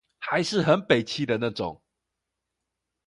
還是很北七的那種